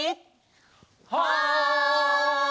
はい！